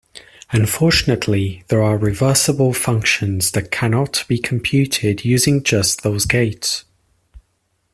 Unfortunately, there are reversible functions that cannot be computed using just those gates.